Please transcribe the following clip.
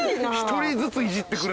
１人ずついじってくれて。